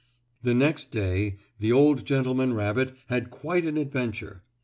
The next day the old gentleman rabbit had quite an adventure.